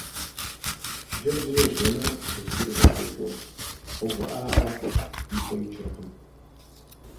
Хъыджэбзыр ежьэмэ, езыри къыкӀэлъокӀуэ, къэувыӀакъэ – и пӀэ икӀыркъым.